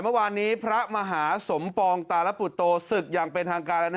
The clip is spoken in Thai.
มารรวรรณ์นี้พระมหาศมฟองตาลปุตโตศึกอย่างเป็นทางการ